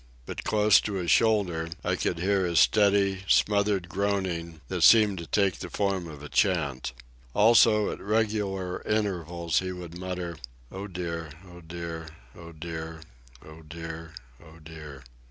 But, close to his shoulder, I could hear his steady, smothered groaning that seemed to take the form of a chant. Also, at regular intervals, he would mutter: "Oh dear, oh dear, oh dear, oh dear, oh dear."